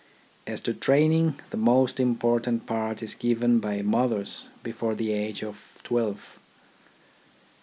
As to training, the most important part is given by mothers before the age of twelve.